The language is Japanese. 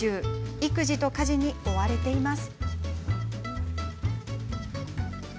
育児と家事に追われています。